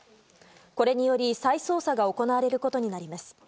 これにより、再捜査が行われることになります。